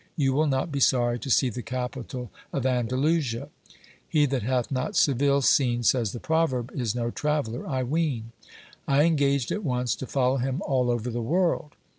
You will not be sorry to see the capital of An L 37Q GIL BLAS. dalusia. " He that hath not Seville seen," says the proverb, " Is no traveller I ween." I engaged at once to follow him all over the world.